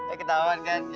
eh ketawa kan sih